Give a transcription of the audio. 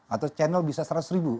atau channel bisa seratus ribu